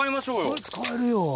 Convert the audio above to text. これ使えるよ。